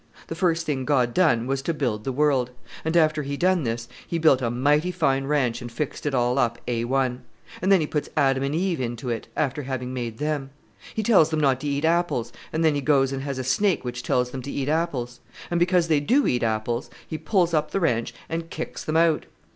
The first thing God done was to build the world; and after He done this He built a mighty fine ranch and fixed it up A1; and then He puts Adam and Eve into it, after having made them. He tells them not to eat apples and then He goes and has a snake which tells them to eat apples. And because they do eat apples He pulls up the ranch and kicks them out.